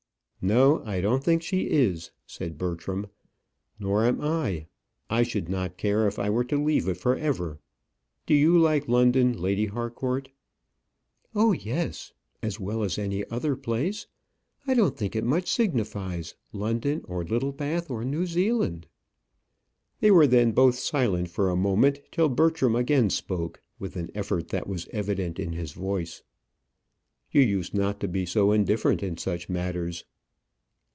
"No; I don't think she is," said Bertram, "nor am I. I should not care if I were to leave it for ever. Do you like London, Lady Harcourt?" "Oh, yes; as well as any other place. I don't think it much signifies London, or Littlebath, or New Zealand." They were then both silent for a moment, till Bertram again spoke, with an effort that was evident in his voice. "You used not to be so indifferent in such matters."